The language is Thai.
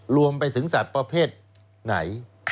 รวมไปถึงสัตว์ประเภทไหน